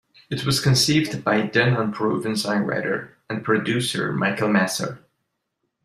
It was conceived by then-unproven songwriter and producer Michael Masser.